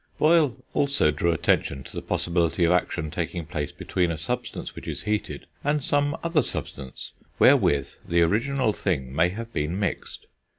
Boyle also drew attention to the possibility of action taking place between a substance which is heated and some other substance, wherewith the original thing may have been mixed.